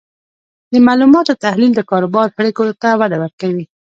د معلوماتو تحلیل د کاروبار پریکړو ته وده ورکوي.